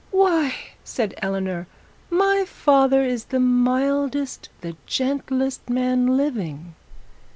'Why,' said Eleanor, 'my father is the mildest, the gentlest man living.'